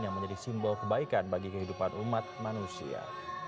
yang menjadi simbol kebaikan bagi kehidupan umat manusia